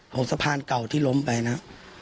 ของสะพานเก่าที่ล้มไปนะครับ